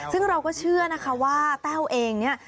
ซึ่งเราก็เชื่อนะคะว่าแต้วเองเนี่ย